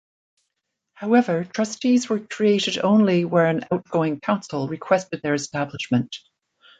However, trustees were created only where an outgoing council requested their establishment.